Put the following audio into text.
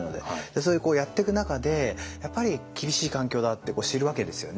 それでこうやってく中でやっぱり厳しい環境だって知るわけですよね。